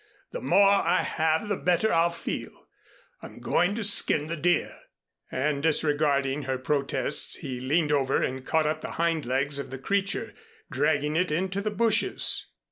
The more I have the better I'll feel. I'm going to skin the deer." And disregarding her protests, he leaned over and caught up the hind legs of the creature, dragging it into the bushes.